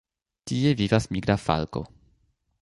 Tie vivas migra falko.